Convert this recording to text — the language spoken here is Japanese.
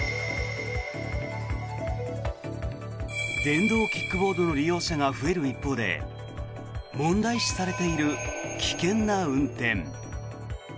電動キックボードの利用者が増える一方で問題視されている危険な運転。